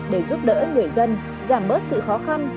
để giúp đỡ người dân giảm bớt sự khó khăn